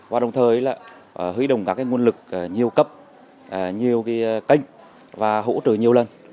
và đồng thời là huy động các nguồn lực nhiều cấp nhiều kênh và hỗ trợ nhiều lần